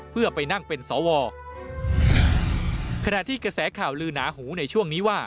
เพื่อไปนั่งเป็นสว